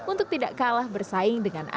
untuk tidak kalah bersaing dengan